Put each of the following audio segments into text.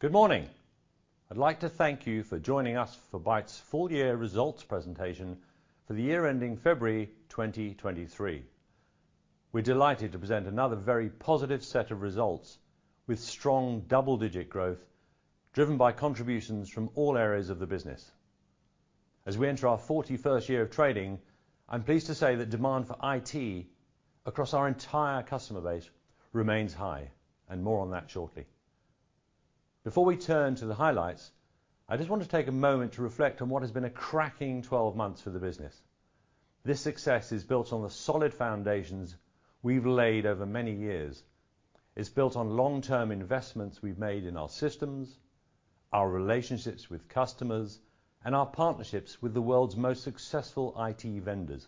Good morning. I'd like to thank you for joining us for Bytes' full year results presentation for the year ending February 2023. We're delighted to present another very positive set of results with strong double-digit growth driven by contributions from all areas of the business. As we enter our 41st year of trading, I'm pleased to say that demand for IT across our entire customer base remains high, and more on that shortly. Before we turn to the highlights, I just want to take a moment to reflect on what has been a cracking 12 months for the business. This success is built on the solid foundations we've laid over many years. It's built on long-term investments we've made in our systems, our relationships with customers, and our partnerships with the world's most successful IT vendors.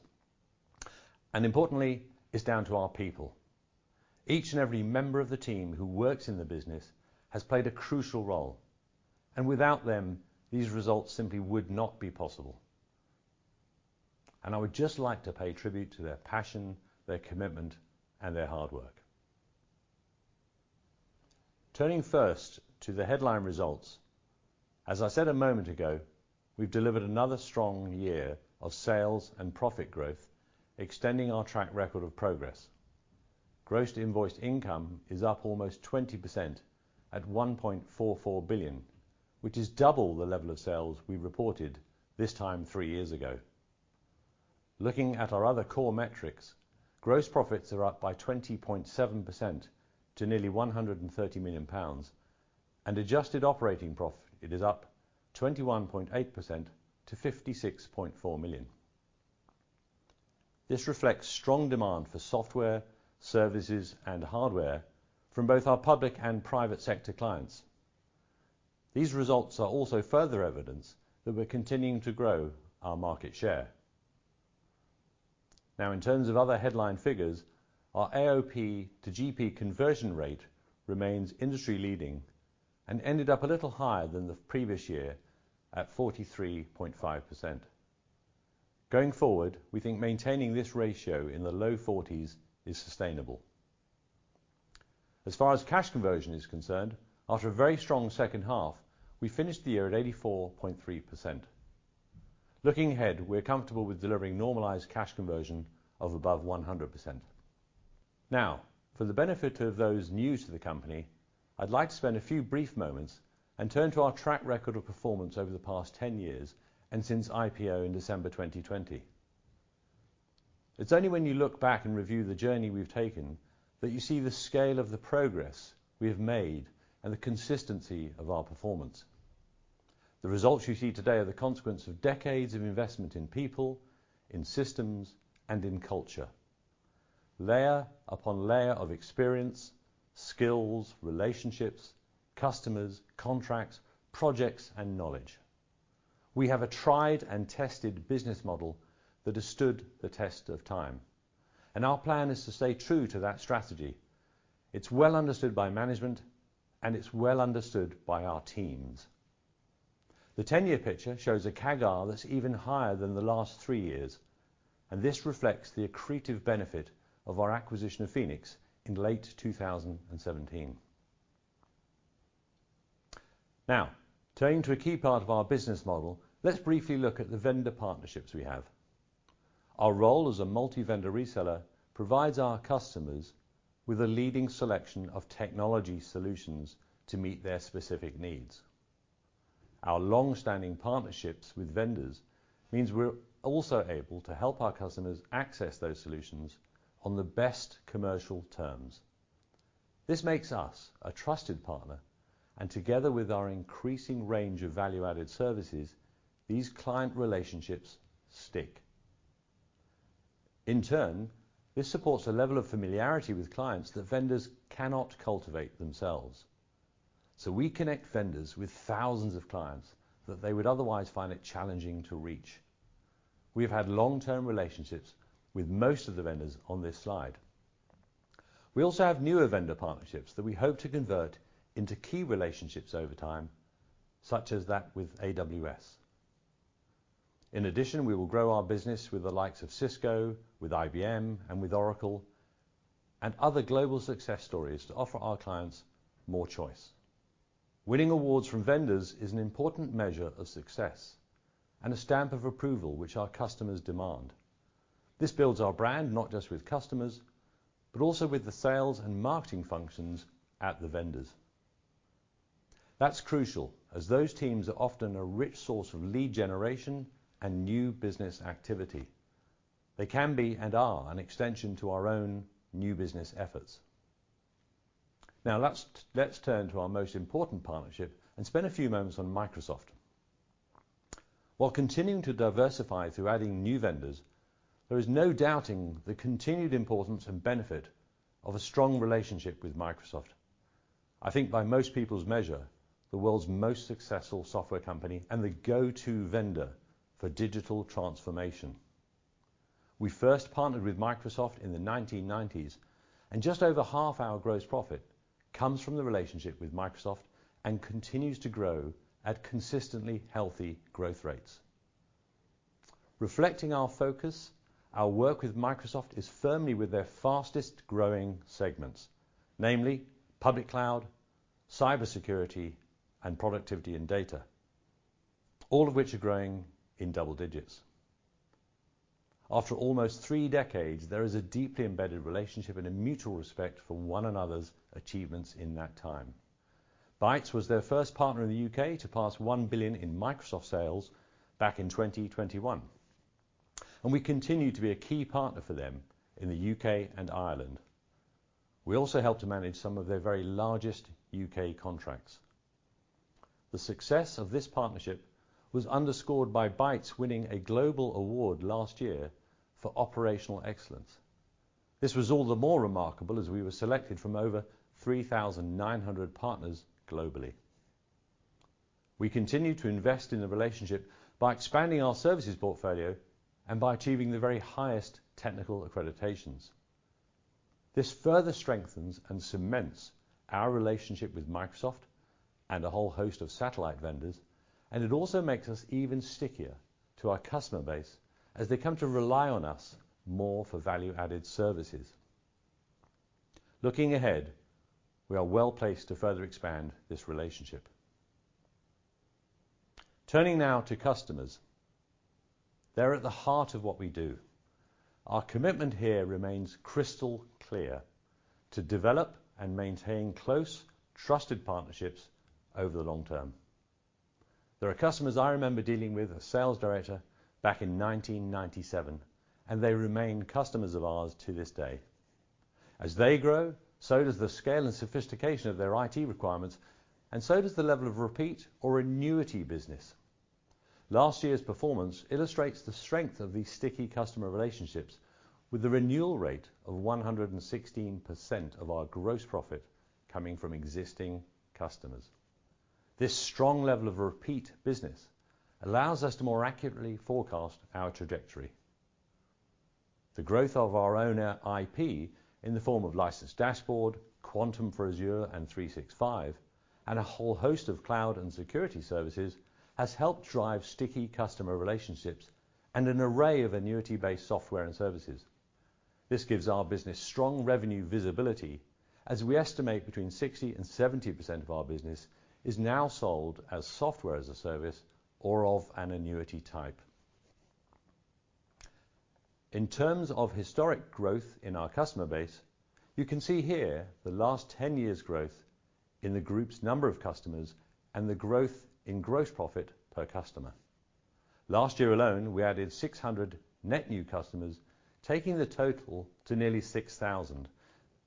Importantly, it's down to our people. Each and every member of the team who works in the business has played a crucial role, and without them, these results simply would not be possible. I would just like to pay tribute to their passion, their commitment, and their hard work. Turning first to the headline results. As I said a moment ago, we've delivered another strong year of sales and profit growth, extending our track record of progress. Gross invoiced income is up almost 20% at 1.44 billion, which is double the level of sales we reported this time three years ago. Looking at our other core metrics, gross profits are up by 20.7% to nearly 130 million pounds, and adjusted operating profit is up 21.8% to 56.4 million. This reflects strong demand for software, services, and hardware from both our public and private sector clients. These results are also further evidence that we're continuing to grow our market share. In terms of other headline figures, our AOP to GP conversion rate remains industry leading and ended up a little higher than the previous year at 43.5%. Going forward, we think maintaining this ratio in the low 40s is sustainable. As far as cash conversion is concerned, after a very strong second half, we finished the year at 84.3%. Looking ahead, we're comfortable with delivering normalized cash conversion of above 100%. For the benefit of those new to the company, I'd like to spend a few brief moments and turn to our track record of performance over the past 10 years and since IPO in December 2020. It's only when you look back and review the journey we've taken that you see the scale of the progress we have made and the consistency of our performance. The results you see today are the consequence of decades of investment in people, in systems, and in culture. Layer upon layer of experience, skills, relationships, customers, contracts, projects, and knowledge. We have a tried and tested business model that has stood the test of time, and our plan is to stay true to that strategy. It's well understood by management, and it's well understood by our teams. The 10-year picture shows a CAGR that's even higher than the last three years, and this reflects the accretive benefit of our acquisition of Phoenix in late 2017. Now, turning to a key part of our business model, let's briefly look at the vendor partnerships we have. Our role as a multi-vendor reseller provides our customers with a leading selection of technology solutions to meet their specific needs. Our long-standing partnerships with vendors means we're also able to help our customers access those solutions on the best commercial terms. This makes us a trusted partner, and together with our increasing range of value-added services, these client relationships stick. In turn, this supports a level of familiarity with clients that vendors cannot cultivate themselves. We connect vendors with thousands of clients that they would otherwise find it challenging to reach. We've had long-term relationships with most of the vendors on this slide. We also have newer vendor partnerships that we hope to convert into key relationships over time, such as that with AWS. We will grow our business with the likes of Cisco, with IBM, and with Oracle, and other global success stories to offer our clients more choice. Winning awards from vendors is an important measure of success and a stamp of approval which our customers demand. This builds our brand not just with customers, but also with the sales and marketing functions at the vendors. That's crucial as those teams are often a rich source of lead generation and new business activity. They can be and are an extension to our own new business efforts. Last, let's turn to our most important partnership and spend a few moments on Microsoft. While continuing to diversify through adding new vendors, there is no doubting the continued importance and benefit of a strong relationship with Microsoft. I think by most people's measure, the world's most successful software company and the go-to vendor for digital transformation. We first partnered with Microsoft in the 1990s, and just over half our gross profit comes from the relationship with Microsoft and continues to grow at consistently healthy growth rates. Reflecting our focus, our work with Microsoft is firmly with their fastest-growing segments, namely public cloud, cybersecurity, and productivity and data, all of which are growing in double digits. After almost three decades, there is a deeply embedded relationship and a mutual respect for one another's achievements in that time. Bytes was their first partner in the U.K. to pass 1 billion in Microsoft sales back in 2021, and we continue to be a key partner for them in the U.K. and Ireland. We also help to manage some of their very largest U.K. contracts. The success of this partnership was underscored by Bytes winning a global award last year for operational excellence. This was all the more remarkable as we were selected from over 3,900 partners globally. We continue to invest in the relationship by expanding our services portfolio and by achieving the very highest technical accreditations. This further strengthens and cements our relationship with Microsoft and a whole host of satellite vendors, and it also makes us even stickier to our customer base as they come to rely on us more for value-added services. Looking ahead, we are well-placed to further expand this relationship. Turning now to customers. They're at the heart of what we do. Our commitment here remains crystal clear: to develop and maintain close, trusted partnerships over the long term. There are customers I remember dealing with a sales director back in 1997, and they remain customers of ours to this day. As they grow, so does the scale and sophistication of their IT requirements, and so does the level of repeat or annuity business. Last year's performance illustrates the strength of these sticky customer relationships with a renewal rate of 116% of our gross profit coming from existing customers. This strong level of repeat business allows us to more accurately forecast our trajectory. The growth of our own IP in the form of License Dashboard, Quantum for Azure and 365, and a whole host of cloud and security services has helped drive sticky customer relationships and an array of annuity-based software and services. This gives our business strong revenue visibility as we estimate between 60% and 70% of our business is now sold as SaaS or of an annuity type. In terms of historic growth in our customer base, you can see here the last 10 years' growth in the group's number of customers and the growth in gross profit per customer. Last year alone, we added 600 net new customers, taking the total to nearly 6,000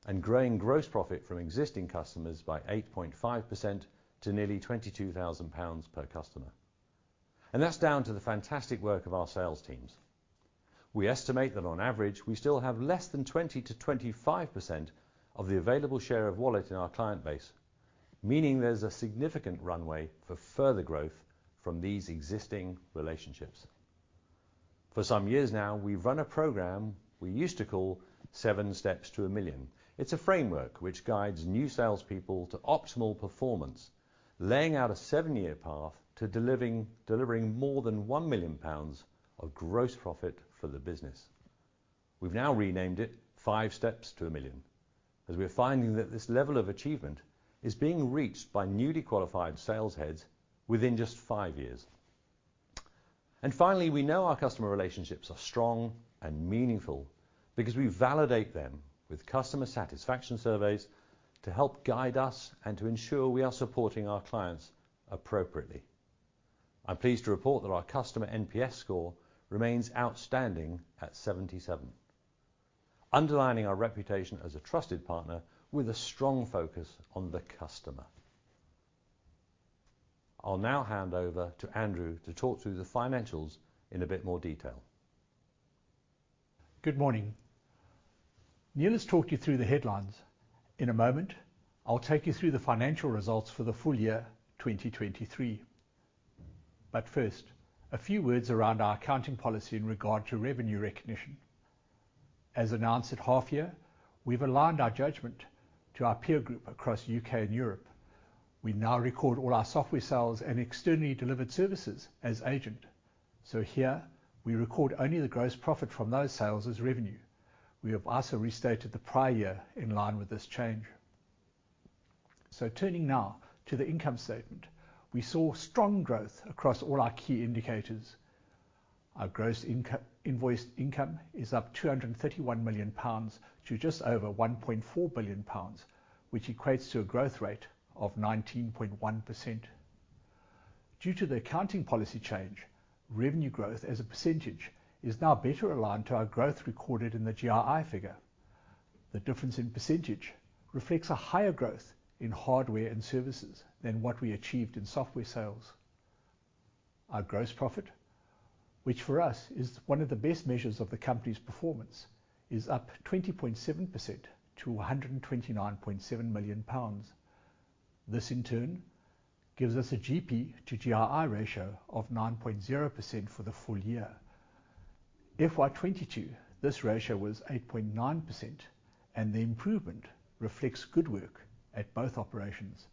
and growing gross profit from existing customers by 8.5% to nearly 22,000 pounds per customer. That's down to the fantastic work of our sales teams. We estimate that on average, we still have less than 20%-25% of the available share of wallet in our client base, meaning there's a significant runway for further growth from these existing relationships. For some years now, we've run a program we used to call Seven Steps to a Million. It's a framework which guides new salespeople to optimal performance, laying out a seven-year path to delivering more than 1 million pounds of gross profit for the business. We've now renamed it Five Steps to a Million, as we are finding that this level of achievement is being reached by newly qualified sales heads within just five years. Finally, we know our customer relationships are strong and meaningful because we validate them with customer satisfaction surveys to help guide us and to ensure we are supporting our clients appropriately. I'm pleased to report that our customer NPS score remains outstanding at 77, underlining our reputation as a trusted partner with a strong focus on the customer. I'll now hand over to Andrew to talk through the financials in a bit more detail. Good morning. Neil has talked you through the headlines. In a moment, I'll take you through the financial results for the full year 2023. First, a few words around our accounting policy in regard to revenue recognition. As announced at half year, we've aligned our judgment to our peer group across U.K. and Europe. We now record all our software sales and externally delivered services as agent. Here we record only the gross profit from those sales as revenue. We have also restated the prior year in line with this change. Turning now to the income statement. We saw strong growth across all our key indicators. Our gross invoiced income is up 231 million pounds to just over 1.4 billion pounds, which equates to a growth rate of 19.1%. Due to the accounting policy change, revenue growth as a percentage is now better aligned to our growth recorded in the GRI figure. The difference in percentage reflects a higher growth in hardware and services than what we achieved in software sales. Our gross profit, which for us is one of the best measures of the company's performance, is up 20.7% to 129.7 million pounds. This in turn gives us a GP to GRI ratio of 9.0% for the full year. FY 2022, this ratio was 8.9% and the improvement reflects good work at both operations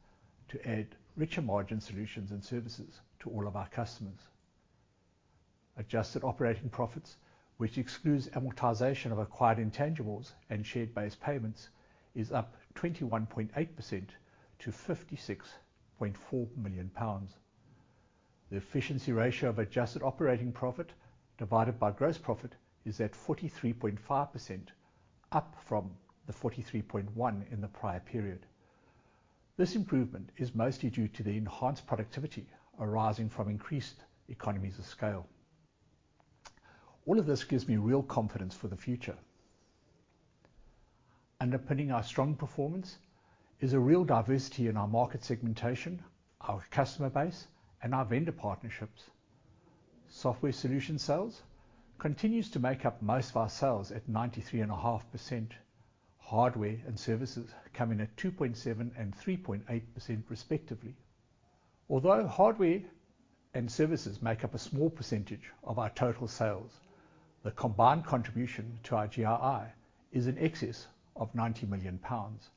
to add richer margin solutions and services to all of our customers. Adjusted operating profits, which excludes amortization of acquired intangibles and shared base payments, is up 21.8% to 56.4 million pounds. The efficiency ratio of adjusted operating profit divided by gross profit is at 43.5% up from the 43.1 in the prior period. This improvement is mostly due to the enhanced productivity arising from increased economies of scale. All of this gives me real confidence for the future. Underpinning our strong performance is a real diversity in our market segmentation, our customer base, and our vendor partnerships. Software solution sales continues to make up most of our sales at 93.5%. Hardware and services come in at 2.7% and 3.8% respectively. Although hardware and services make up a small percentage of our total sales, the combined contribution to our GRI is in excess of 90 million pounds.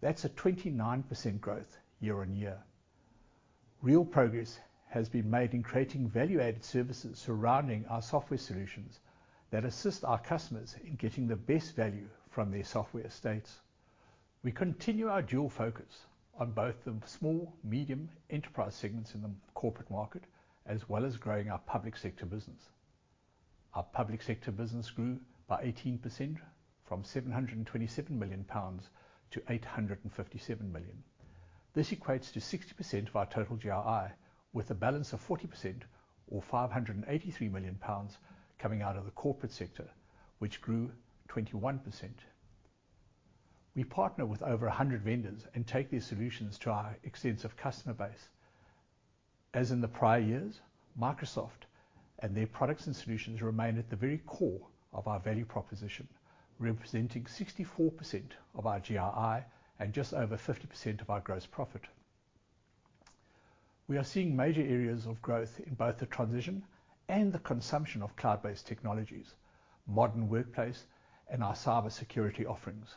That's a 29% growth year-on-year. Real progress has been made in creating value-added services surrounding our software solutions that assist our customers in getting the best value from their software estates. We continue our dual focus on both the small, medium enterprise segments in the corporate market, as well as growing our public sector business. Our public sector business grew by 18% from 727 million-857 million pounds. This equates to 60% of our total GRI with a balance of 40% or 583 million pounds coming out of the corporate sector, which grew 21%. We partner with over 100 vendors and take these solutions to our extensive customer base. As in the prior years, Microsoft and their products and solutions remain at the very core of our value proposition, representing 64% of our GRI and just over 50% of our Gross Profit. We are seeing major areas of growth in both the transition and the consumption of cloud-based technologies, modern workplace, and our cybersecurity offerings.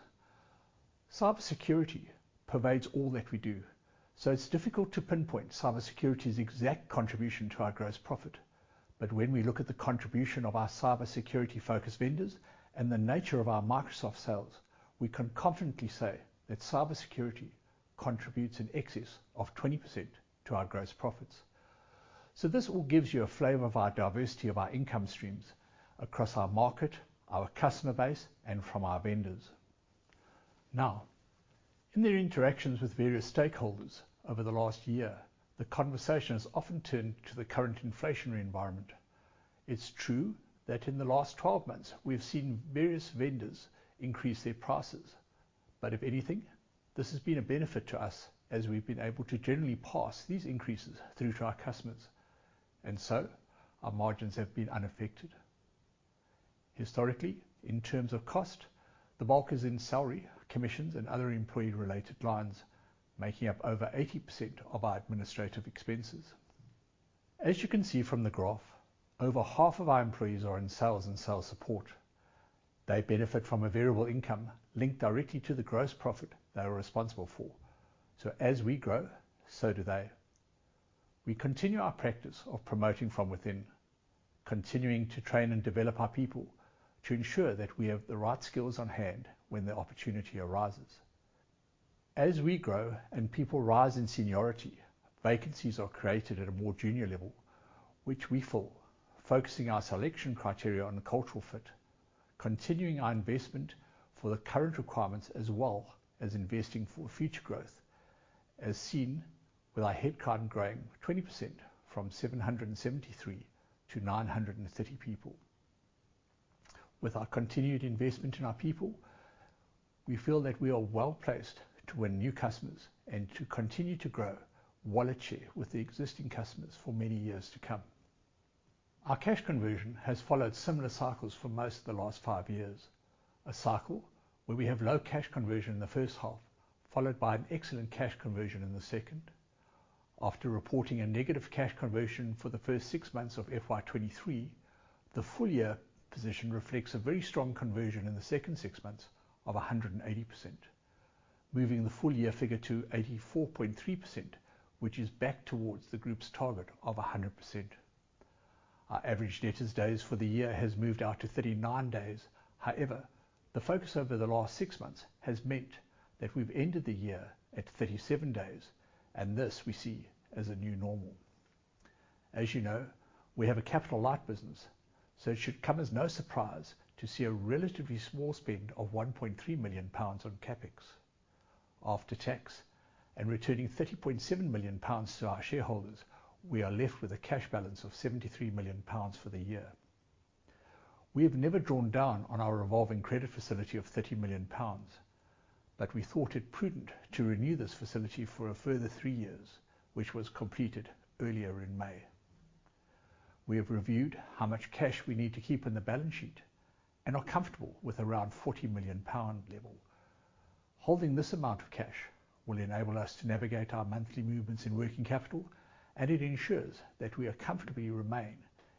Cybersecurity pervades all that we do, it's difficult to pinpoint cybersecurity's exact contribution to our Gross Profit. When we look at the contribution of our cybersecurity-focused vendors and the nature of our Microsoft sales, we can confidently say that cybersecurity contributes in excess of 20% to our Gross Profits. This all gives you a flavor of our diversity of our income streams across our market, our customer base, and from our vendors. In their interactions with various stakeholders over the last year, the conversation has often turned to the current inflationary environment. It's true that in the last 12 months we've seen various vendors increase their prices. If anything, this has been a benefit to us as we've been able to generally pass these increases through to our customers, our margins have been unaffected. Historically, in terms of cost, the bulk is in salary, commissions, and other employee-related lines, making up over 80% of our administrative expenses. As you can see from the graph, over half of our employees are in sales and sales support. They benefit from a variable income linked directly to the gross profit they are responsible for. As we grow, so do they. We continue our practice of promoting from within, continuing to train and develop our people to ensure that we have the right skills on hand when the opportunity arises. As we grow and people rise in seniority, vacancies are created at a more junior level, which we fill, focusing our selection criteria on the cultural fit, continuing our investment for the current requirements as well as investing for future growth, as seen with our headcount growing 20% from 773-930 people. With our continued investment in our people, we feel that we are well-placed to win new customers and to continue to grow wallet share with the existing customers for many years to come. Our cash conversion has followed similar cycles for most of the last five years. A cycle where we have low cash conversion in the first half, followed by an excellent cash conversion in the second. After reporting a negative cash conversion for the first six months of FY 2023, the full year position reflects a very strong conversion in the second six months of 180%, moving the full year figure to 84.3%, which is back towards the group's target of 100%. Our average debtors days for the year has moved out to 39 days. The focus over the last six months has meant that we've ended the year at 37 days, and this we see as a new normal. As you know, we have a capital-light business, so it should come as no surprise to see a relatively small spend of 1.3 million pounds on CapEx. After tax and returning 30.7 million pounds to our shareholders, we are left with a cash balance of 73 million pounds for the year. We have never drawn down on our revolving credit facility of 30 million pounds, but we thought it prudent to renew this facility for a further three years, which was completed earlier in May. We have reviewed how much cash we need to keep in the balance sheet and are comfortable with around 40 million pound level. Holding this amount of cash will enable us to navigate our monthly movements in working capital, and it ensures that we comfortably remain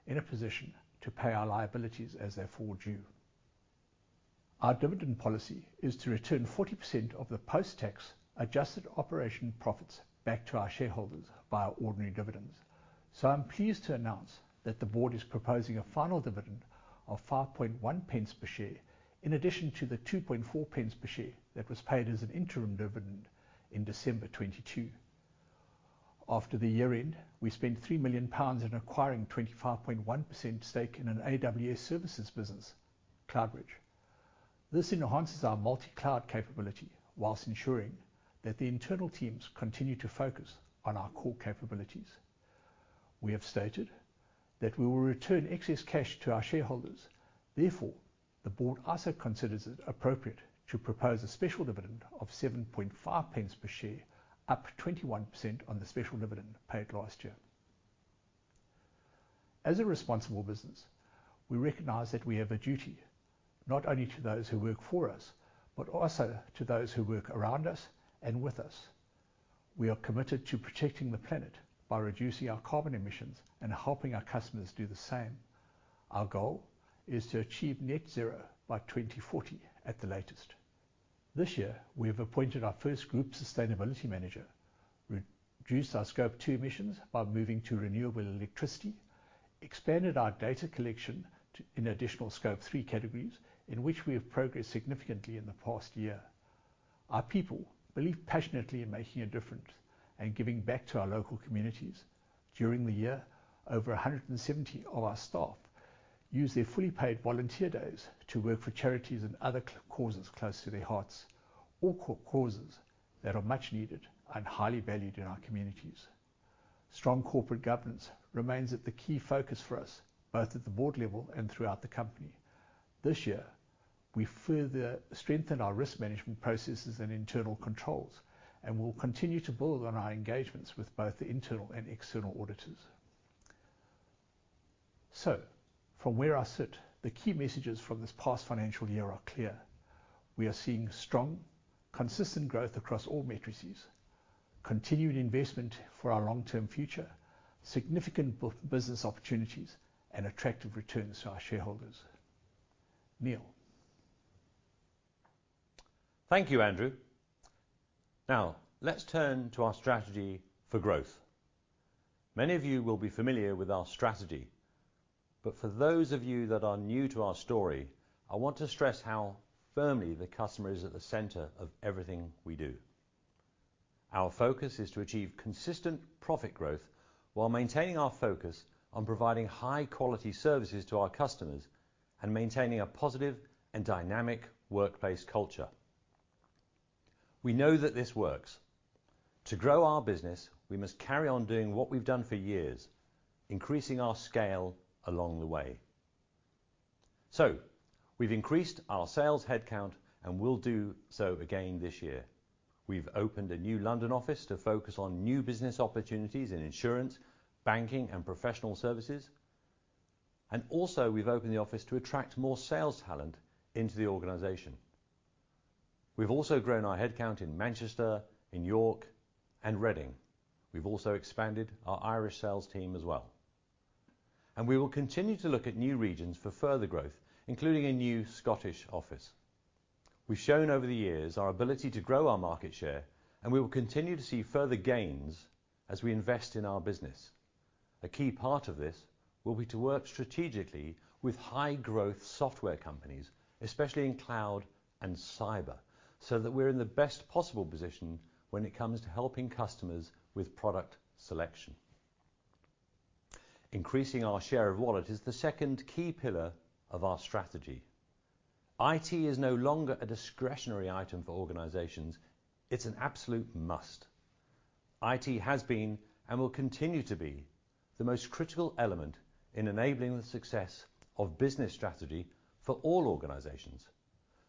in a position to pay our liabilities as they fall due. Our dividend policy is to return 40% of the post-tax adjusted operating profits back to our shareholders via ordinary dividends. I'm pleased to announce that the board is proposing a final dividend of 0.051 per share in addition to the 0.024 per share that was paid as an interim dividend in December 2022. After the year-end, we spent 3 million pounds in acquiring a 25.1% stake in an AWS services business, Cloud Bridge. This enhances our multi-cloud capability while ensuring that the internal teams continue to focus on our core capabilities. We have stated that we will return excess cash to our shareholders. The board also considers it appropriate to propose a special dividend of 0.075 per share, up 21% on the special dividend paid last year. As a responsible business, we recognize that we have a duty not only to those who work for us, but also to those who work around us and with us. We are committed to protecting the planet by reducing our carbon emissions and helping our customers do the same. Our goal is to achieve Net Zero by 2040 at the latest. This year, we have appointed our first group sustainability manager, reduced our Scope 2 emissions by moving to renewable electricity, expanded our data collection to additional Scope 3 categories in which we have progressed significantly in the past year. Our people believe passionately in making a difference and giving back to our local communities. During the year, over 170 of our staff used their fully paid volunteer days to work for charities and other causes close to their hearts, all causes that are much needed and highly valued in our communities. Strong corporate governance remains at the key focus for us, both at the board level and throughout the company. This year, we further strengthened our risk management processes and internal controls and will continue to build on our engagements with both the internal and external auditors. From where I sit, the key messages from this past financial year are clear. We are seeing strong, consistent growth across all matrices, continued investment for our long-term future, significant business opportunities, and attractive returns to our shareholders. Neil. Thank you, Andrew. Now, let's turn to our strategy for growth. Many of you will be familiar with our strategy, but for those of you that are new to our story, I want to stress how firmly the customer is at the center of everything we do. Our focus is to achieve consistent profit growth while maintaining our focus on providing high quality services to our customers and maintaining a positive and dynamic workplace culture. We know that this works. To grow our business, we must carry on doing what we've done for years, increasing our scale along the way. We've increased our sales headcount and will do so again this year. We've opened a new London office to focus on new business opportunities in insurance, banking, and professional services, and also we've opened the office to attract more sales talent into the organization. We've also grown our headcount in Manchester, in York, and Reading. We've also expanded our Irish sales team as well. We will continue to look at new regions for further growth, including a new Scottish office. We've shown over the years our ability to grow our market share. We will continue to see further gains as we invest in our business. A key part of this will be to work strategically with high growth software companies, especially in cloud and cyber, so that we're in the best possible position when it comes to helping customers with product selection. Increasing our share of wallet is the second key pillar of our strategy. IT is no longer a discretionary item for organizations. It's an absolute must. IT has been and will continue to be the most critical element in enabling the success of business strategy for all organizations.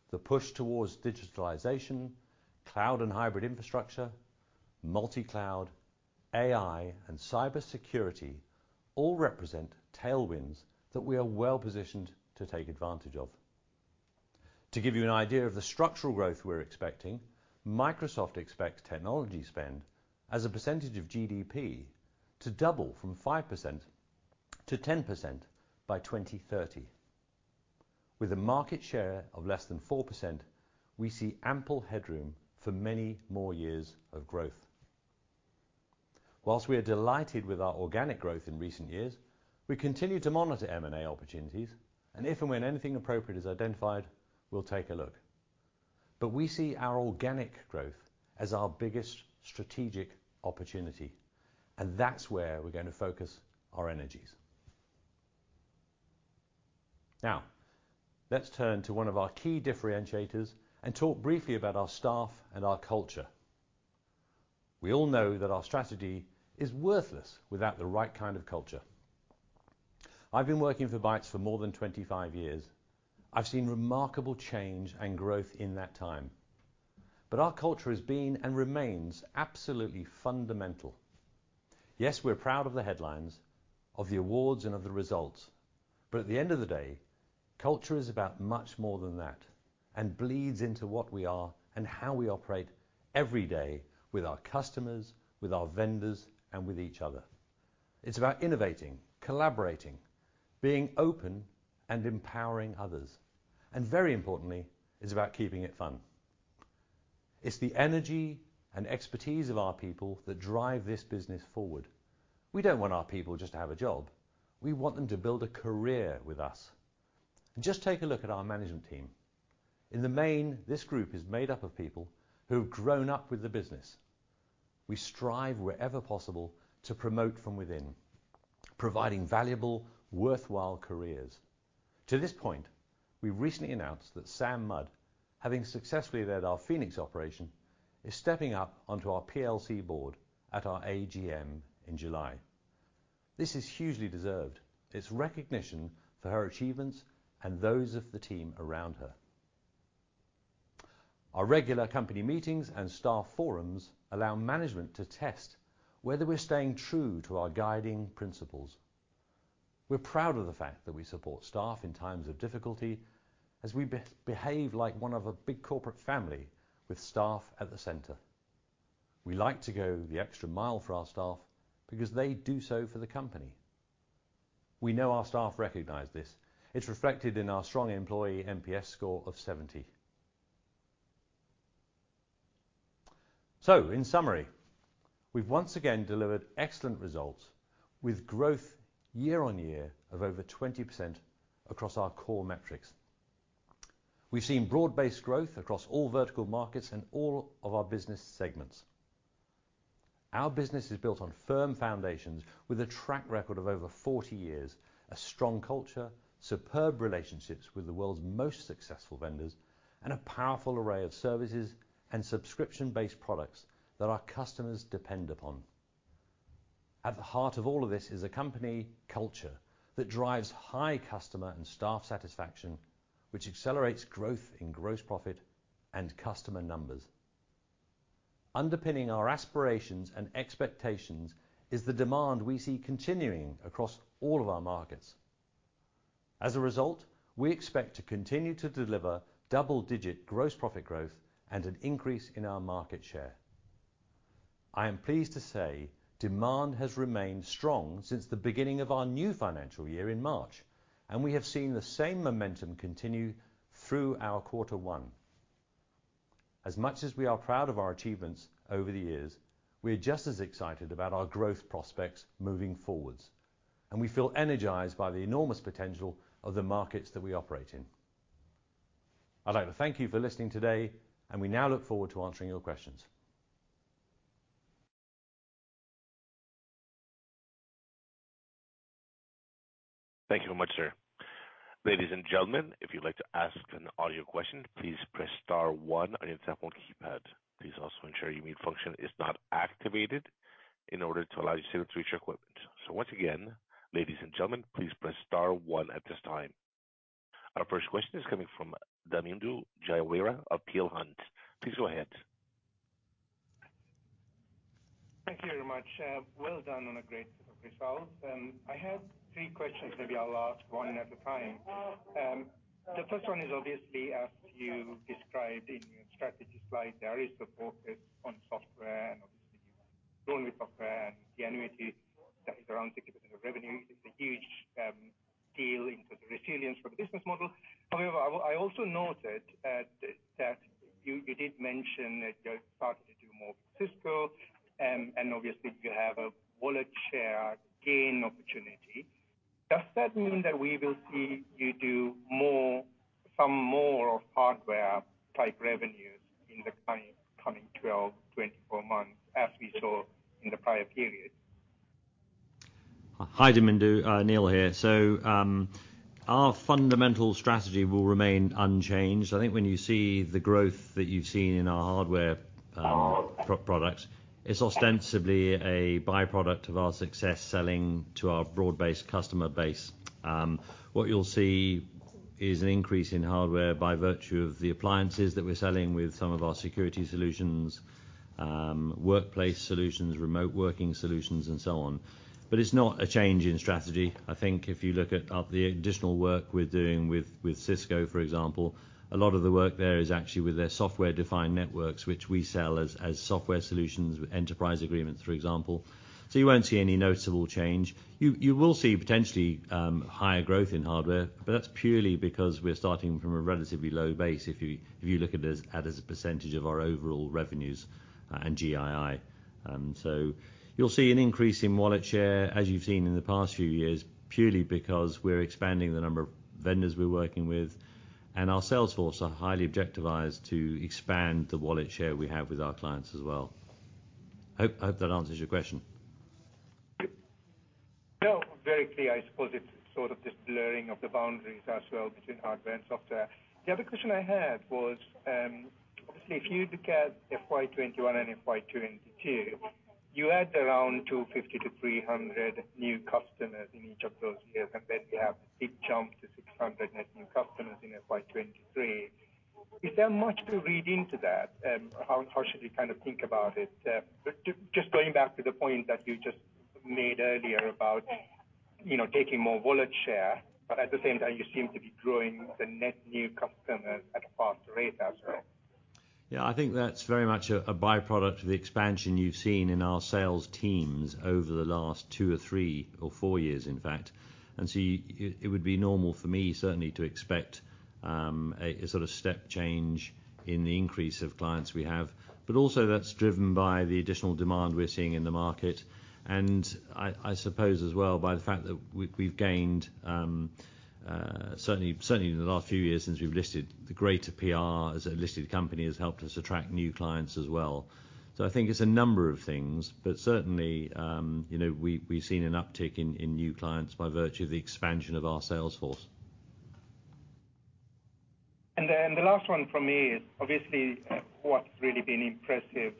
The push towards digitalization, cloud and hybrid infrastructure, multi-cloud, AI, and cybersecurity all represent tailwinds that we are well-positioned to take advantage of. To give you an idea of the structural growth we're expecting, Microsoft expects technology spend as a percentage of GDP to double from 5%-10% by 2030. With a market share of less than 4%, we see ample headroom for many more years of growth. Whilst we are delighted with our organic growth in recent years, we continue to monitor M&A opportunities, and if and when anything appropriate is identified, we'll take a look. We see our organic growth as our biggest strategic opportunity, and that's where we're gonna focus our energies. Let's turn to one of our key differentiators and talk briefly about our staff and our culture. We all know that our strategy is worthless without the right kind of culture. I've been working for Bytes for more than 25 years. I've seen remarkable change and growth in that time, our culture has been and remains absolutely fundamental. Yes, we're proud of the headlines, of the awards, and of the results. At the end of the day, culture is about much more than that, and bleeds into what we are and how we operate every day with our customers, with our vendors, and with each other. It's about innovating, collaborating, being open and empowering others. Very importantly, it's about keeping it fun. It's the energy and expertise of our people that drive this business forward. We don't want our people just to have a job. We want them to build a career with us. Just take a look at our management team. In the main, this group is made up of people who've grown up with the business. We strive wherever possible to promote from within, providing valuable, worthwhile careers. To this point, we recently announced that Sam Mudd, having successfully led our Phoenix operation, is stepping up onto our PLC board at our AGM in July. This is hugely deserved. It's recognition for her achievements and those of the team around her. Our regular company meetings and staff forums allow management to test whether we're staying true to our guiding principles. We're proud of the fact that we support staff in times of difficulty as we behave like one of a big corporate family with staff at the center. We like to go the extra mile for our staff because they do so for the company. We know our staff recognize this. It's reflected in our strong employee NPS score of 70. In summary, we've once again delivered excellent results with growth year-on-year of over 20% across our core metrics. We've seen broad-based growth across all vertical markets and all of our business segments. Our business is built on firm foundations with a track record of over 40 years, a strong culture, superb relationships with the world's most successful vendors, and a powerful array of services and subscription-based products that our customers depend upon. At the heart of all of this is a company culture that drives high customer and staff satisfaction, which accelerates growth in gross profit and customer numbers. Underpinning our aspirations and expectations is the demand we see continuing across all of our markets. We expect to continue to deliver double-digit gross profit growth and an increase in our market share. I am pleased to say demand has remained strong since the beginning of our new financial year in March, and we have seen the same momentum continue through our quarter one. As much as we are proud of our achievements over the years, we are just as excited about our growth prospects moving forwards, and we feel energized by the enormous potential of the markets that we operate in. I'd like to thank you for listening today, and we now look forward to answering your questions. Thank you very much, sir. Ladies and gentlemen, if you'd like to ask an audio question, please press star one on your telephone keypad. Please also ensure your mute function is not activated in order to allow you to reach your equipment. Once again, ladies and gentlemen, please press star one at this time. Our first question is coming from Damindu Jayaweera of Peel Hunt. Please go ahead. Thank you very much. Well done on a great set of results. I have three questions. Maybe I'll ask one at a time. The first one is obviously, as you described in your strategy slide, there is the focus on software and obviously growing with software and the annuity that is around 60% of revenue is a huge deal into the resilience for the business model. However, I also noted that you did mention that you're starting to do more Cisco and obviously you have a wallet share gain opportunity. Does that mean that we will see you do some more of hardware type revenues in the coming 12, 24 months as we saw in the prior periods? Hi, Damindu. Neil here. Our fundamental strategy will remain unchanged. I think when you see the growth that you've seen in our hardware, products, it's ostensibly a byproduct of our success selling to our broad-based customer base. What you'll see is an increase in hardware by virtue of the appliances that we're selling with some of our security solutions, workplace solutions, remote working solutions and so on. It's not a change in strategy. I think if you look at the additional work we're doing with Cisco, for example, a lot of the work there is actually with their software-defined networks, which we sell as software solutions, enterprise agreements, for example. You won't see any noticeable change. You will see potentially higher growth in hardware, but that's purely because we're starting from a relatively low base if you look at it as a percentage of our overall revenues and GII. You'll see an increase in wallet share as you've seen in the past few years, purely because we're expanding the number of vendors we're working with, and our sales force are highly objectivized to expand the wallet share we have with our clients as well. Hope that answers your question. Yep. No, very clear. I suppose it's sort of just blurring of the boundaries as well between hardware and software. The other question I had was, obviously if you look at FY 2021 and FY 2022, you had around 250-300 new customers in each of those years, and then you have big jump to 600 net new customers in FY 2023. Is there much to read into that? How should we kind of think about it? Just going back to the point that you just made earlier about, you know, taking more wallet share, but at the same time you seem to be growing the net new customers at a faster rate as well. I think that's very much a by-product of the expansion you've seen in our sales teams over the last two or three or four years, in fact. It would be normal for me certainly to expect a sort of step change in the increase of clients we have. That's driven by the additional demand we're seeing in the market, and I suppose as well by the fact that we've gained, certainly in the last few years since we've listed the greater PR as a listed company has helped us attract new clients as well. I think it's a number of things, but certainly, you know, we've seen an uptick in new clients by virtue of the expansion of our sales force. The last one from me is obviously what's really been impressive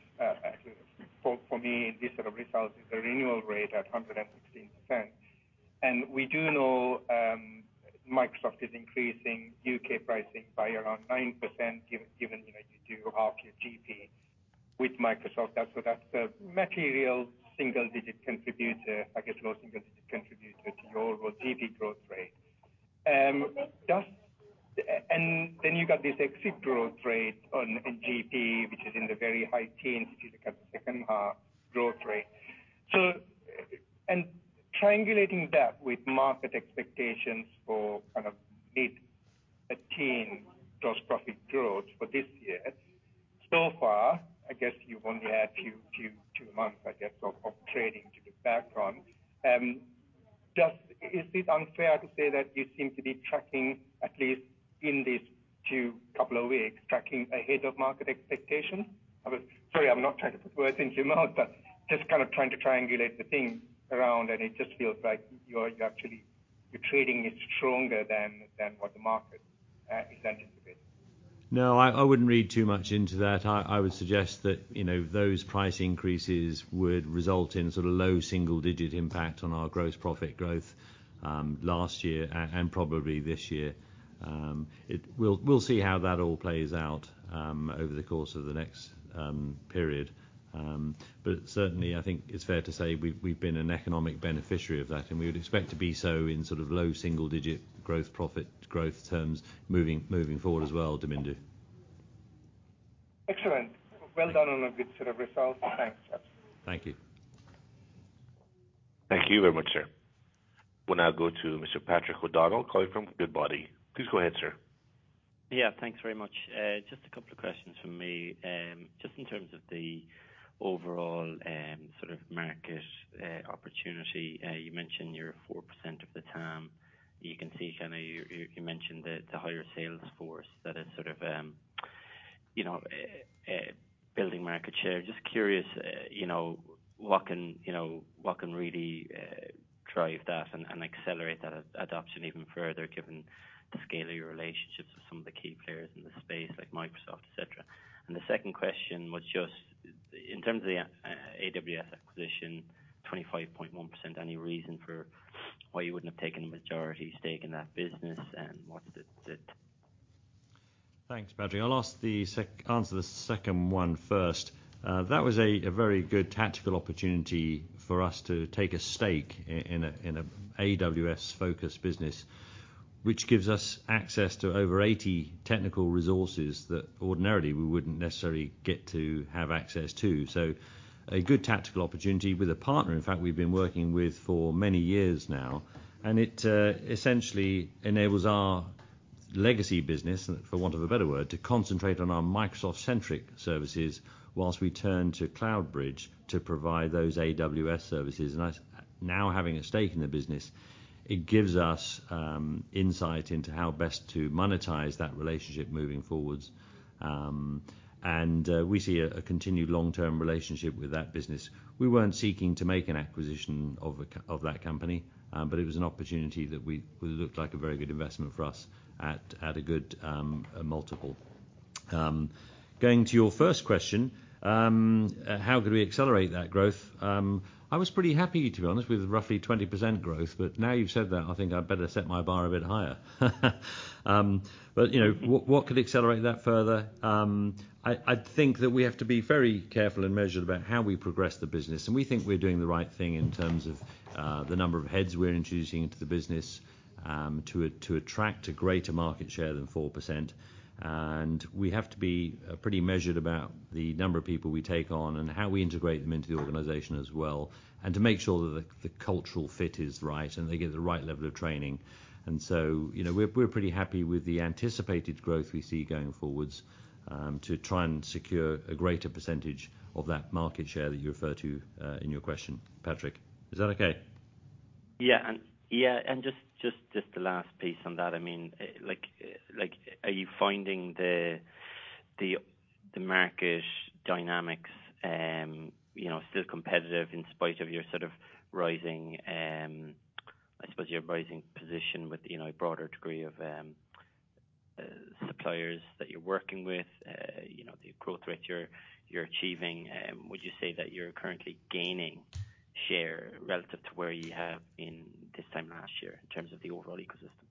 for me in this sort of result is the renewal rate at 116%. We do know Microsoft is increasing U.K. pricing by around 9% given, you know, you do half your GP with Microsoft. That's a material single digit contributor, I guess low single digit contributor to your overall GP growth rate. You got this exit growth rate on NGP, which is in the very high teens due to kind of second growth rate, triangulating that with market expectations for kind of eight, teen gross profit growth for this year. Far, I guess you've only had two months I guess of trading to the background. Is it unfair to say that you seem to be tracking, at least in these two couple of weeks, tracking ahead of market expectations? Sorry, I'm not trying to put words in your mouth, but just kind of trying to triangulate the things around, and it just feels like you're actually your trading is stronger than what the market is anticipating. No, I wouldn't read too much into that. I would suggest that, you know, those price increases would result in sort of low single digit impact on our gross profit growth last year and probably this year. We'll see how that all plays out over the course of the next period. Certainly I think it's fair to say we've been an economic beneficiary of that, and we would expect to be so in sort of low single digit growth profit growth terms moving forward as well, Damindu. Excellent. Well done on a good set of results. Thanks, Charles. Thank you. Thank you very much, sir. We'll now go to Mr. Patrick O'Donnell calling from Goodbody. Please go ahead, sir. Yeah, thanks very much. Just a couple of questions from me. Just in terms of the overall sort of market opportunity, you mentioned you're 4% of the TAM. You can see you mentioned the higher sales force that is sort of, you know, building market share. Just curious, you know, what can really drive that and accelerate that adoption even further given the scale of your relationships with some of the key players in the space like Microsoft, et cetera. The second question was just in terms of the AWS acquisition, 25.1%, any reason for why you wouldn't have taken a majority stake in that business, and what's at s-? Thanks, Patrick. I'll answer the second one first. That was a very good tactical opportunity for us to take a stake in an AWS focused business, which gives us access to over 80 technical resources that ordinarily we wouldn't necessarily get to have access to. A good tactical opportunity with a partner, in fact, we've been working with for many years now. It essentially enables our legacy business, for want of a better word, to concentrate on our Microsoft-centric services whilst we turn to Cloud Bridge to provide those AWS services. Us now having a stake in the business, it gives us insight into how best to monetize that relationship moving forwards. We see a continued long-term relationship with that business. We weren't seeking to make an acquisition of that company, but it was an opportunity that we looked like a very good investment for us at a good multiple. Going to your first question, how could we accelerate that growth? I was pretty happy to be honest with roughly 20% growth, but now you've said that, I think I better set my bar a bit higher. You know, what could accelerate that further? I think that we have to be very careful and measured about how we progress the business, and we think we're doing the right thing in terms of the number of heads we're introducing into the business, to attract a greater market share than 4%. We have to be pretty measured about the number of people we take on and how we integrate them into the organization as well, and to make sure that the cultural fit is right and they get the right level of training. You know, we're pretty happy with the anticipated growth we see going forwards, to try and secure a greater percentage of that market share that you refer to in your question, Patrick. Is that okay? Yeah. Yeah, and just the last piece on that, I mean, like are you finding the market dynamics, you know, still competitive in spite of your sort of rising, I suppose your rising position with, you know, a broader degree of suppliers that you're working with, you know, the growth rate you're achieving? Would you say that you're currently gaining... Share relative to where you have been this time last year in terms of the overall ecosystem?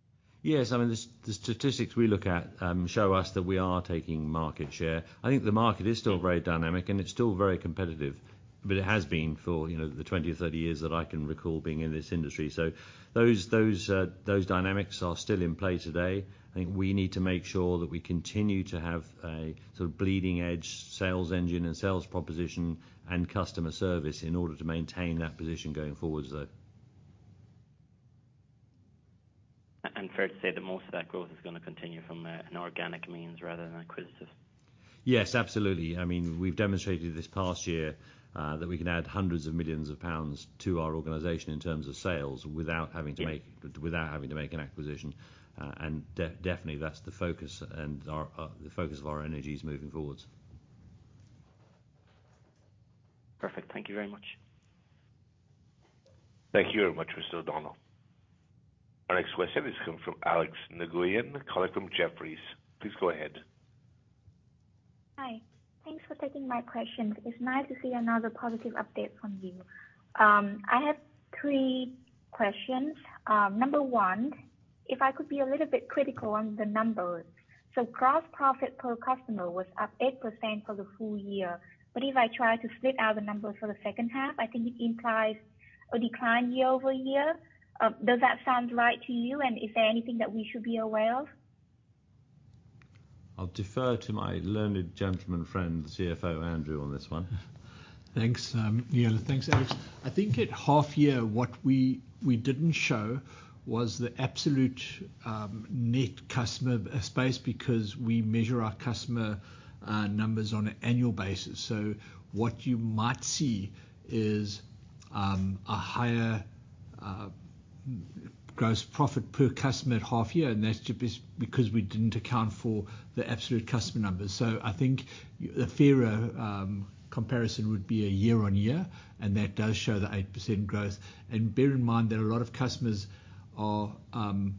Yes. I mean, the statistics we look at, show us that we are taking market share. I think the market is still very dynamic, and it's still very competitive, but it has been for, you know, the 20 or 30 years that I can recall being in this industry. Those dynamics are still in play today. I think we need to make sure that we continue to have a sort of bleeding edge sales engine and sales proposition and customer service in order to maintain that position going forward. Fair to say that most of that growth is gonna continue from an organic means rather than acquisitive. Yes, absolutely. I mean, we've demonstrated this past year, that we can add hundreds of millions of pounds to our organization in terms of sales without having to... Yeah. -Without having to make an acquisition. Definitely that's the focus and our, the focus of our energies moving forwards. Perfect. Thank you very much. Thank you very much, Mr. O'Donnell. Our next question is coming from Alex Nguyen, colleague from Jefferies. Please go ahead. Hi. Thanks for taking my questions. It's nice to see another positive update from you. I have three questions. Number one, if I could be a little bit critical on the numbers. Gross profit per customer was up 8% for the full year, but if I try to split out the numbers for the second half, I think it implies a decline year-over-year. Does that sound right to you? Is there anything that we should be aware of? I'll defer to my learned gentleman friend, CFO Andrew, on this one. Thanks, yeah. Thanks, Alex. I think at half year, what we didn't show was the absolute net customer space, because we measure our customer numbers on an annual basis. What you might see is a higher gross profit per customer at half year, and that's just because we didn't account for the absolute customer numbers. I think the fairer comparison would be a year on year, and that does show the 8% growth. Bear in mind that a lot of customers are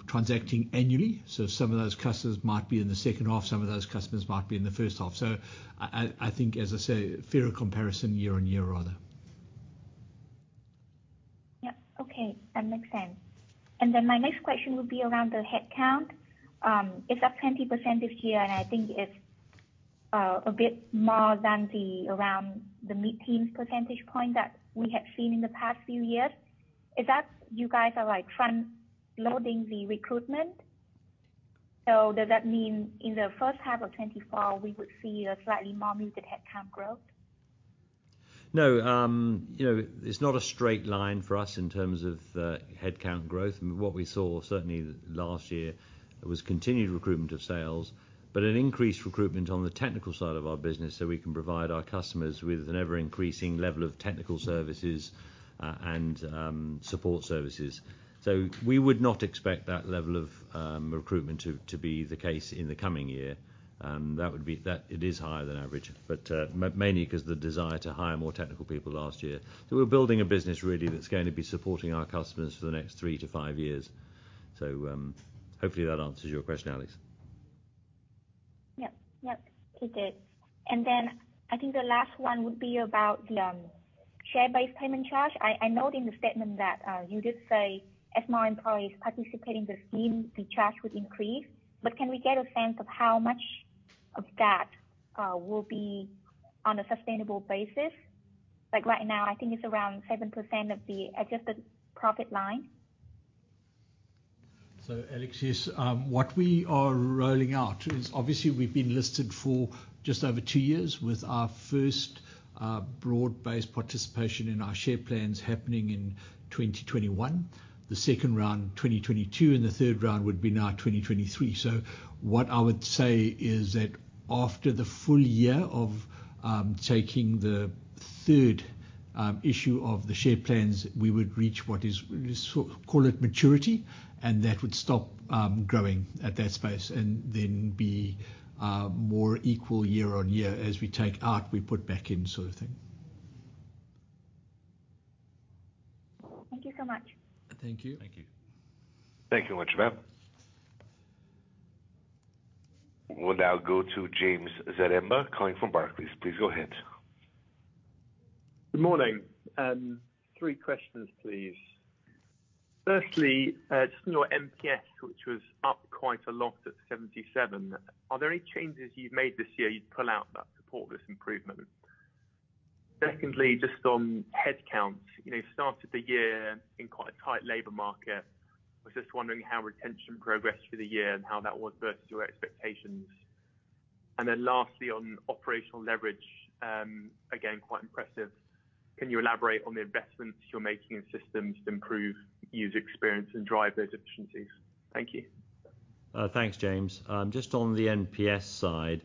transacting annually, so some of those customers might be in the second half, some of those customers might be in the first half. I think, as I say, fairer comparison year on year rather. Yeah. Okay. That makes sense. My next question would be around the headcount. It's up 20% this year, and I think it's a bit more than the around the mid-teens percentage point that we have seen in the past few years. Is that you guys are like front loading the recruitment? Does that mean in the first half of 2024 we would see a slightly more muted headcount growth? No. You know, it's not a straight line for us in terms of headcount growth. What we saw certainly last year was continued recruitment of sales, but an increased recruitment on the technical side of our business, so we can provide our customers with an ever increasing level of technical services and support services. We would not expect that level of recruitment to be the case in the coming year. It is higher than average, but mainly 'cause the desire to hire more technical people last year. We're building a business really that's gonna be supporting our customers for the next three to five years. Hopefully that answers your question, Alex. Yep. Yep, it did. I think the last one would be about the share-based payment charge. I note in the statement that you did say as more employees participate in the scheme, the charge would increase. Can we get a sense of how much of that will be on a sustainable basis? Like right now I think it's around 7% of the adjusted profit line. Alex, yes. What we are rolling out is obviously we've been listed for just over two years with our first broad-based participation in our share plans happening in 2021, the second round in 2022, and the third round would be now 2023. What I would say is that after the full year of taking the third issue of the share plans, we would reach what is, let's call it maturity, and that would stop growing at that space and then be more equal year-over-year. As we take out, we put back in sort of thing. Thank you so much. Thank you. Thank you. Thank you very much, ma'am. We'll now go to James Zaremba calling from Barclays. Please go ahead. Good morning. Three questions, please. Firstly, just on your NPS, which was up quite a lot at 77, are there any changes you've made this year you'd pull out that support this improvement? Secondly, just on headcount, you know, you started the year in quite a tight labor market. I was just wondering how retention progressed through the year and how that was versus your expectations. Lastly, on operational leverage, again, quite impressive. Can you elaborate on the investments you're making in systems to improve user experience and drive those efficiencies? Thank you. Thanks, James. Just on the NPS side,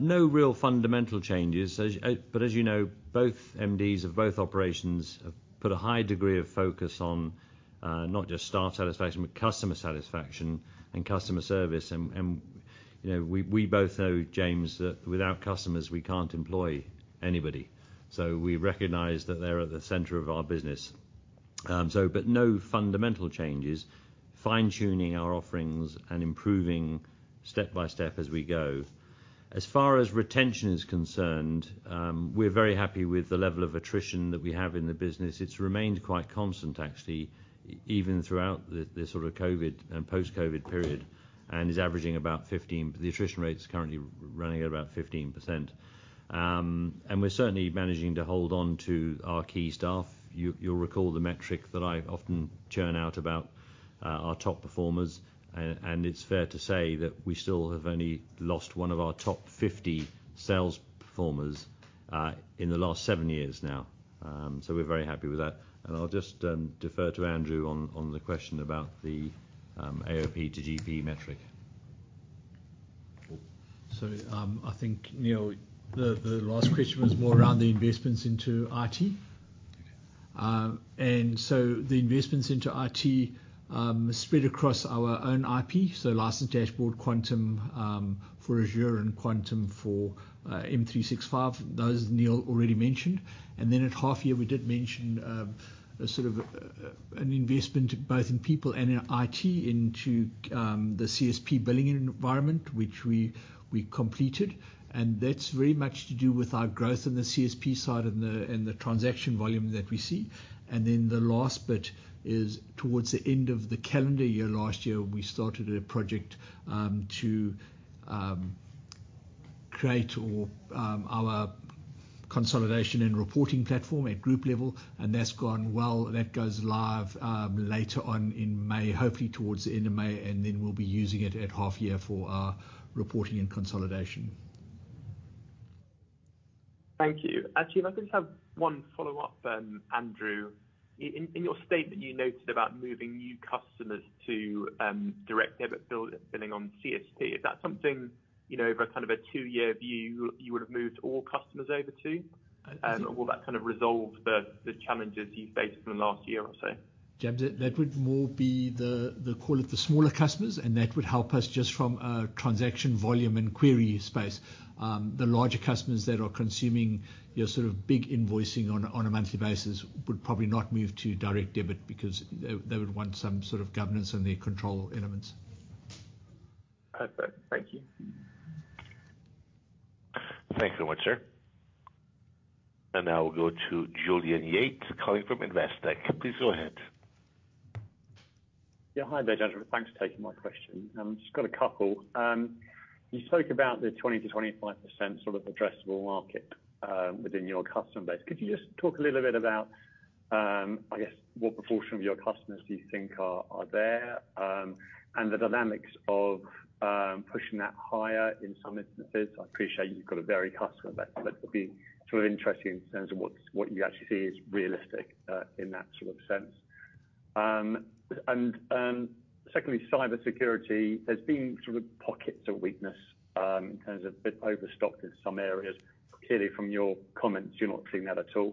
no real fundamental changes. As you know, both MDs of both operations have put a high degree of focus on not just staff satisfaction, but customer satisfaction and customer service. You know, we both know, James, that without customers we can't employ anybody. We recognize that they're at the center of our business. No fundamental changes. Fine-tuning our offerings and improving step by step as we go. As far as retention is concerned, we're very happy with the level of attrition that we have in the business. It's remained quite constant actually, even throughout the sort of COVID and post-COVID period, and is averaging about 15. The attrition rate is currently running at about 15%. We're certainly managing to hold on to our key staff. You'll recall the metric that I often churn out about our top performers, and it's fair to say that we still have only lost one of our top 50 sales performers in the last seven years now. We're very happy with that. I'll just defer to Andrew on the question about the AOP to GP metric. Sorry, I think, Neil, the last question was more around the investments into IT. Okay. The investments into IT spread across our own IP, so License Dashboard, Quantum for Azure and Quantum for M365. Those Neil already mentioned. At half year, we did mention a sort of an investment both in people and in IT into the CSP billing environment, which we completed, and that's very much to do with our growth in the CSP side and the transaction volume that we see. The last bit is towards the end of the calendar year last year, we started a project to create all our consolidation and reporting platform at group level, and that's gone well. That goes live later on in May, hopefully towards the end of May, and then we'll be using it at half year for our reporting and consolidation. Thank you. Actually, if I could just have one follow-up, Andrew. In your statement, you noted about moving new customers to direct debit bill-billing on CSP. Is that something, you know, over kind of a two-year view you would have moved all customers over to? Will that kind of resolve the challenges you faced in the last year or so? James, that would more be the call it the smaller customers, and that would help us just from a transaction volume and query space. The larger customers that are consuming your sort of big invoicing on a monthly basis would probably not move to direct debit because they would want some sort of governance and the control elements. Perfect. Thank you. Thank you very much, sir. Now we'll go to Julian Yates calling from Investec. Please go ahead. Yeah. Hi there, gentlemen. Thanks for taking my question. Just got a couple. You spoke about the 20%-25% sort of addressable market within your customer base. Could you just talk a little bit about, I guess, what proportion of your customers do you think are there, and the dynamics of pushing that higher in some instances? I appreciate you've got a varied customer base, but it would be sort of interesting in terms of what's, what you actually see is realistic in that sort of sense. Secondly, cybersecurity. There's been sort of pockets of weakness in terms of bit overstocked in some areas. Clearly, from your comments, you're not seeing that at all.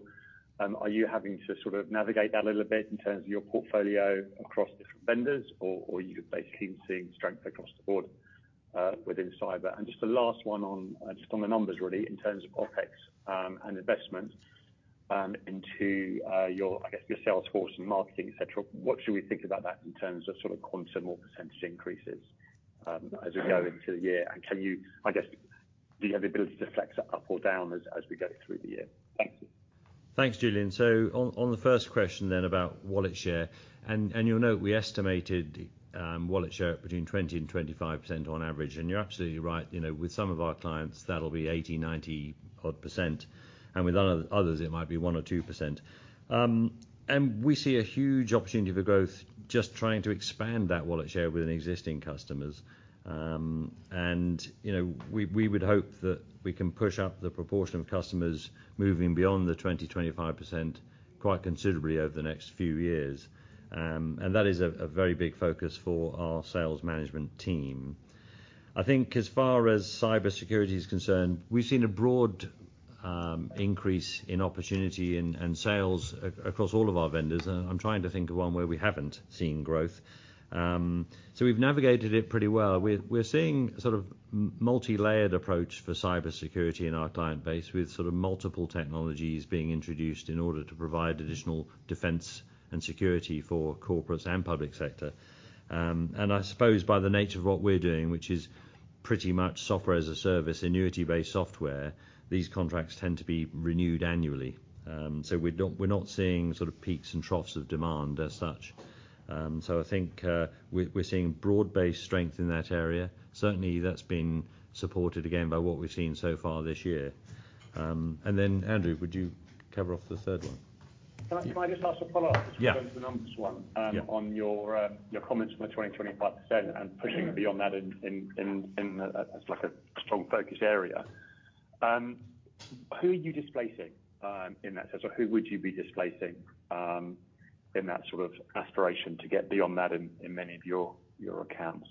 Are you having to sort of navigate that a little bit in terms of your portfolio across different vendors or you're basically seeing strength across the board within cyber? Just a last one on just on the numbers really, in terms of OpEx and investment into your, I guess, your sales force and marketing, et cetera. What should we think about that in terms of sort of quantum or percentage increases as we go into the year? Can you, I guess, do you have the ability to flex that up or down as we go through the year? Thank you. Thanks, Julian. On the first question then about wallet share, and you'll note we estimated wallet share between 20%-25% on average, and you're absolutely right. You know, with some of our clients, that'll be 80%-90% odd, and with others it might be 1% or 2%. We see a huge opportunity for growth just trying to expand that wallet share within existing customers. You know, we would hope that we can push up the proportion of customers moving beyond the 20%-25% quite considerably over the next few years. That is a very big focus for our sales management team. I think as far as cybersecurity is concerned, we've seen a broad increase in opportunity and sales across all of our vendors. I'm trying to think of one where we haven't seen growth. We've navigated it pretty well. We're seeing sort of multi-layered approach for cybersecurity in our client base, with sort of multiple technologies being introduced in order to provide additional defense and security for corporates and public sector. I suppose by the nature of what we're doing, which is pretty much software as a service, annuity-based software, these contracts tend to be renewed annually. We're not seeing sort of peaks and troughs of demand as such. I think, we're seeing broad-based strength in that area. Certainly, that's been supported again by what we've seen so far this year. Then, Andrew, would you cover off the third one? Can I just ask a follow-up? Yeah. Just going to the numbers one. Yeah. On your comments from the 20%-25% and pushing beyond that in as like a strong focus area. Who are you displacing in that sense? Who would you be displacing in that sort of aspiration to get beyond that in many of your accounts?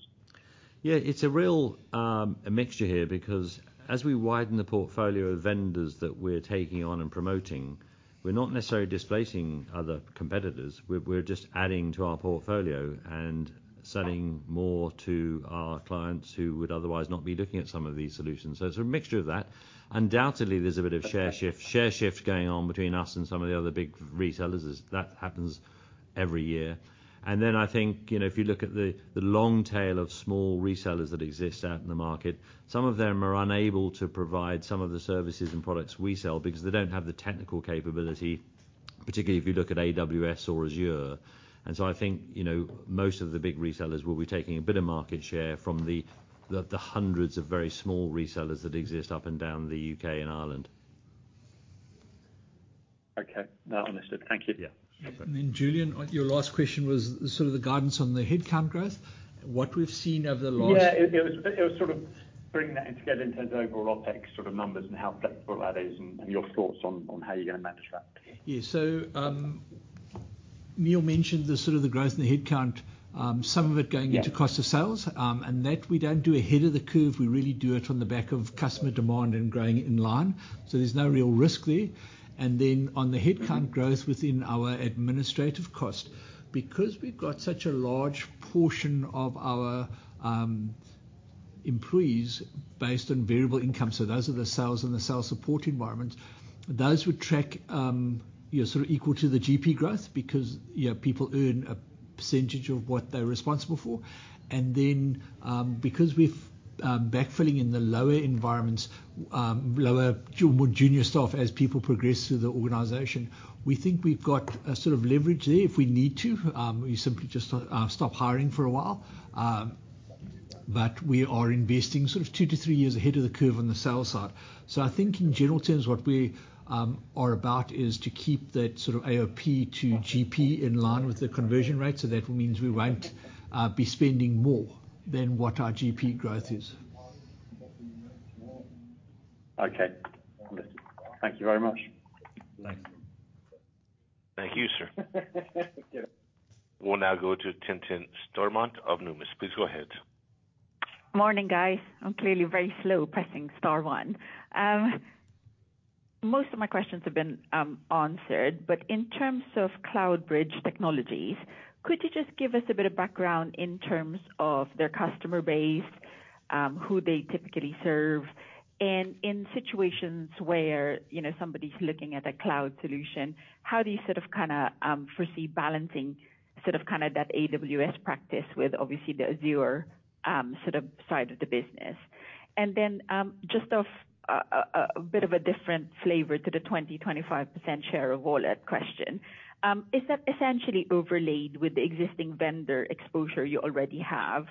Yeah. It's a real a mixture here because as we widen the portfolio of vendors that we're taking on and promoting, we're not necessarily displacing other competitors. We're just adding to our portfolio and selling more to our clients who would otherwise not be looking at some of these solutions. So it's a mixture of that. Undoubtedly, there's a bit of share shift going on between us and some of the other big resellers as that happens every year. I think, you know, if you look at the long tail of small resellers that exist out in the market, some of them are unable to provide some of the services and products we sell because they don't have the technical capability. Particularly if you look at AWS or Azure. I think, you know, most of the big resellers will be taking a bit of market share from the hundreds of very small resellers that exist up and down the U.K. and Ireland. Okay. No, understood. Thank you. Yeah. No problem. Julian, your last question was sort of the guidance on the headcount growth, what we've seen over the Yeah. It was sort of bringing that in together in terms of overall OpEx sort of numbers and how flexible that is and your thoughts on how you're gonna manage that. Yeah. Neil mentioned the sort of the growth in the headcount, some of it. Yeah... Cost of sales, that we don't do ahead of the curve, we really do it on the back of customer demand and growing in line. There's no real risk there. Then on the headcount growth within our administrative cost, because we've got such a large portion of our employees based on variable income, so those are the sales and the sales support environment, those would track, you know, sort of equal to the GP growth because, you know, people earn a percentage of what they're responsible for. Then, because we've backfilling in the lower environments, more junior staff as people progress through the organization, we think we've got a sort of leverage there if we need to. We simply just stop hiring for a while. We are investing sort of two to three years ahead of the curve on the sales side. I think in general terms, what we are about is to keep that sort of AOP to GP in line with the conversion rate, that means we won't be spending more than what our GP growth is. Okay. Understood. Thank you very much. Thanks. Thank you, sir. Thank you. We'll now go to Tintin Stormont of Numis. Please go ahead. Morning, guys. I'm clearly very slow pressing star one. Most of my questions have been answered, but in terms of Cloud Bridge Technologies, could you just give us a bit of background in terms of their customer base, who they typically serve? In situations where, you know, somebody's looking at a cloud solution, how do you sort of kinda foresee balancing sort of kinda that AWS practice with obviously the Azure sort of side of the business? Just a bit of a different flavor to the 20%-25% share of wallet question, is that essentially overlaid with the existing vendor exposure you already have?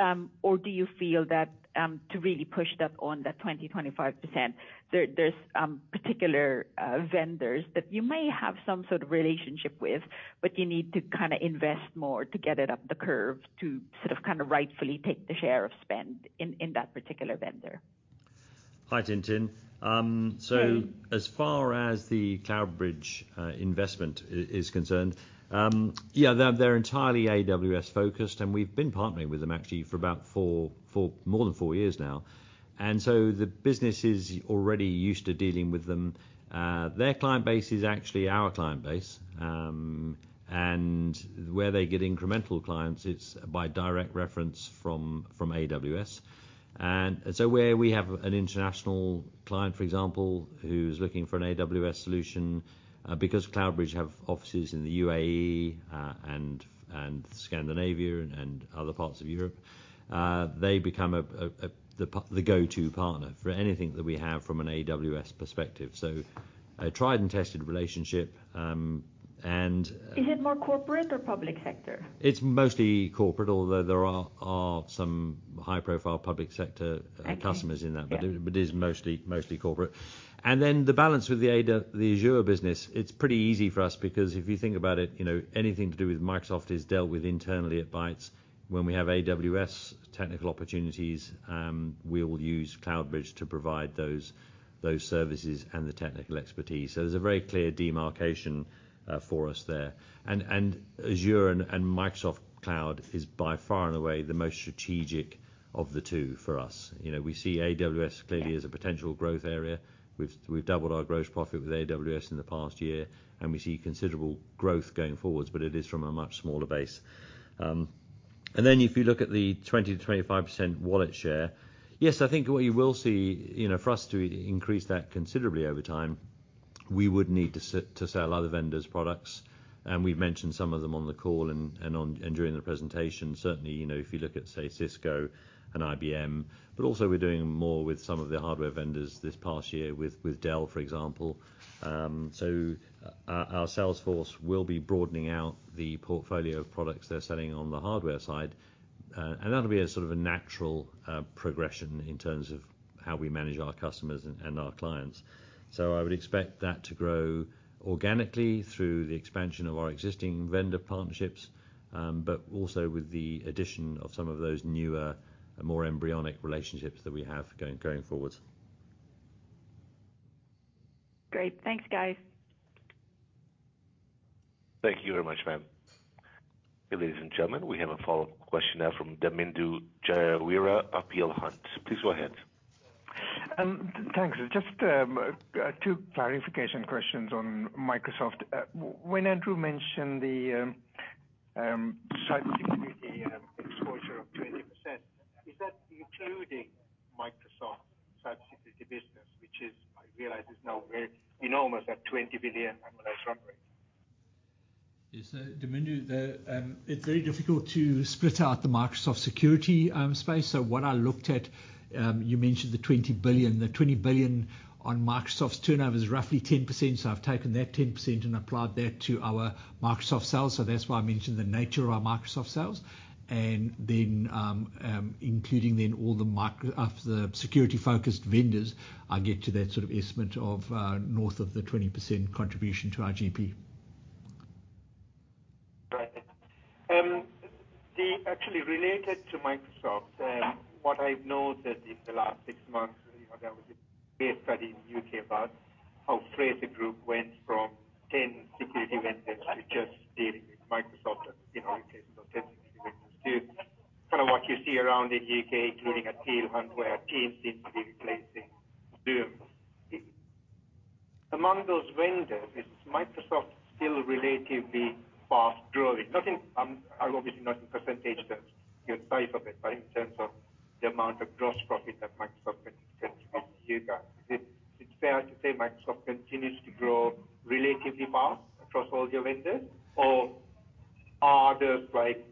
Do you feel that to really push that on the 20%-25%, there's particular vendors that you may have some sort of relationship with, but you need to kind of invest more to get it up the curve to sort of, kind of rightfully take the share of spend in that particular vendor? Hi, Tintin. Hi. As far as the Cloud Bridge investment is concerned, yeah, they're entirely AWS focused, and we've been partnering with them actually for more than four years now. The business is already used to dealing with them. Their client base is actually our client base, and where they get incremental clients, it's by direct reference from AWS. Where we have an international client, for example, who's looking for an AWS solution, because Cloud Bridge have offices in the UAE, and Scandinavia and other parts of Europe, they become the go-to partner for anything that we have from an AWS perspective. A tried and tested relationship. Is it more corporate or public sector? It's mostly corporate, although there are some high-profile public sector. Okay... Customers in that. Yeah. It is mostly corporate. The balance with the Azure business, it's pretty easy for us because if you think about it, you know, anything to do with Microsoft is dealt with internally at Bytes. When we have AWS technical opportunities, we will use Cloud Bridge to provide those services and the technical expertise. There's a very clear demarcation for us there. Azure and Microsoft Cloud is by far and away the most strategic of the two for us. You know, we see AWS. Yeah... As a potential growth area. We've doubled our gross profit with AWS in the past year, and we see considerable growth going forwards, but it is from a much smaller base. If you look at the 20%-25% wallet share, yes, I think what you will see, you know, for us to increase that considerably over time, we would need to sell other vendors products, and we've mentioned some of them on the call and during the presentation. Certainly, you know, if you look at say Cisco and IBM, also we're doing more with some of the hardware vendors this past year with Dell, for example. Our sales force will be broadening out the portfolio of products they're selling on the hardware side. That'll be a sort of a natural progression in terms of how we manage our customers and our clients. I would expect that to grow organically through the expansion of our existing vendor partnerships, but also with the addition of some of those newer and more embryonic relationships that we have going forwards. Great. Thanks, guys. Thank you very much, ma'am. Ladies and gentlemen, we have a follow-up question now from Damindu Jayaweera of Peel Hunt. Please go ahead. Thanks. Just two clarification questions on Microsoft. When Andrew mentioned the cyber security exposure of 20%, is that including Microsoft's cyber security business, which I realize is now very enormous at 20 billion annualized run rate? Yes, Damindu, the, it's very difficult to split out the Microsoft security space. What I looked at, you mentioned the 20 billion. The 20 billion on Microsoft's turnover is roughly 10%, so I've taken that 10% and applied that to our Microsoft sales. Then, including then all of the security-focused vendors, I get to that sort of estimate of north of the 20% contribution to our GP. Right. Actually related to Microsoft, what I've noted in the last six months, you know, there was a case study in the U.K. about how Frasers Group went from 10 security vendors to just dealing with Microsoft and, you know, in case of 10 security vendors to kind of what you see around the U.K. getting a deal hunt where Teams seem to be replacing Zoom. Among those vendors, is Microsoft still relatively fast-growing? Nothing, obviously not in percentage terms, your size of it, but in terms of the amount of gross profit that Microsoft makes from you guys. Is it fair to say Microsoft continues to grow relatively fast across all your vendors? Or are there like,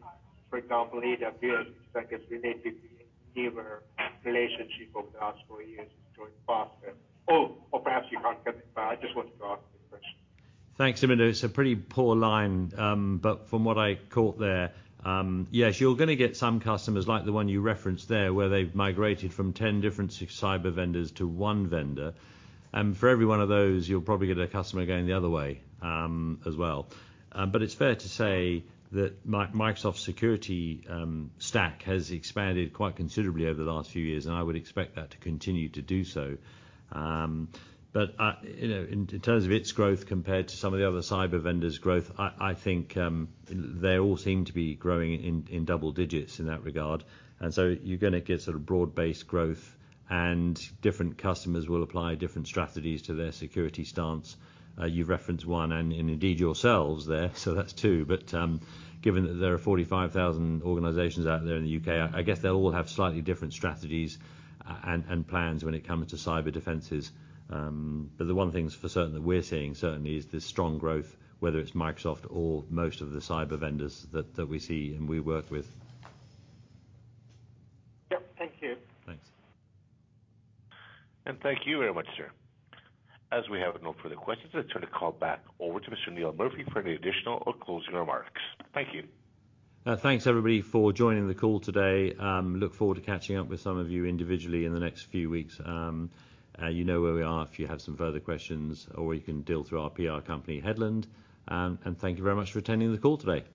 for example, AWS, which is like a relatively newer relationship over the past four years is growing faster? Perhaps you can't comment, but I just wanted to ask you a question. Thanks, Damindu. It's a pretty poor line, but from what I caught there, yes, you're gonna get some customers like the one you referenced there, where they've migrated from 10 different cyber vendors to one vendor. For every one of those, you'll probably get a customer going the other way as well. It's fair to say that Microsoft's security stack has expanded quite considerably over the last few years, and I would expect that to continue to do so. But, you know, in terms of its growth compared to some of the other cyber vendors' growth, I think they all seem to be growing in double digits in that regard. So you're gonna get sort of broad-based growth, and different customers will apply different strategies to their security stance. You've referenced one and indeed yourselves there, so that's two. Given that there are 45,000 organizations out there in the U.K., I guess they'll all have slightly different strategies and plans when it comes to cyber defenses. The one thing for certain that we're seeing certainly is this strong growth, whether it's Microsoft or most of the cyber vendors that we see and we work with. Yep. Thank you. Thanks. Thank you very much, sir. As we have no further questions, I turn the call back over to Mr. Neil Murphy for any additional or closing remarks. Thank you. Thanks, everybody, for joining the call today. Look forward to catching up with some of you individually in the next few weeks. You know where we are if you have some further questions or you can deal through our PR company, Headland. Thank you very much for attending the call today.